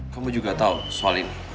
kamu juga tahu soal ini